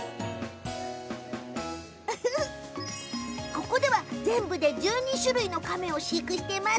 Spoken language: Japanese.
ここでは全部で１２種類のカメを飼育。